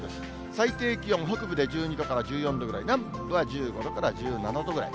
最低気温、北部で１２度から１４度ぐらい、南部は１５度から１７度ぐらい。